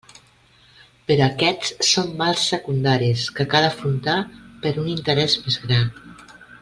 Però aquests són mals secundaris que cal afrontar per un interès més gran.